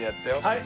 はい。